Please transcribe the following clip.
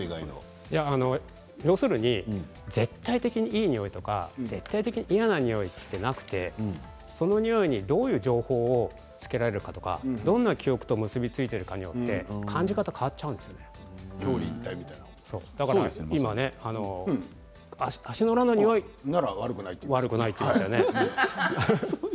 絶対的に、いい匂いとか絶対的に嫌な匂いというのはなくてその匂いにどういう情報をつけられるかとかどんな記憶と結び付いているかによって感じ方が表裏一体みたいな足の裏の匂い悪くないと言っていましたね。